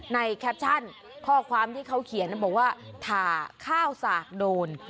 แคปชั่นข้อความที่เขาเขียนบอกว่าถ่าข้าวสากโดน